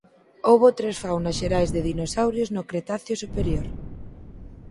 Houbo tres faunas xerais de dinosauros no Cretáceo Superior.